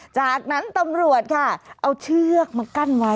จากนั้นตำรวจค่ะเอาเชือกมากั้นไว้